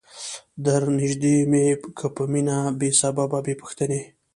درنیژدې می که په مینه بې سببه بې پوښتنی